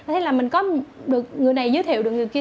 thế là mình có được người này giới thiệu được người kia